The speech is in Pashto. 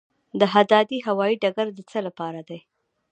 دهدادي هوايي ډګر د څه لپاره دی؟